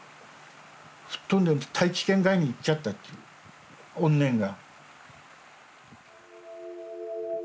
吹っ飛んで大気圏外にいっちゃったっていう怨念が。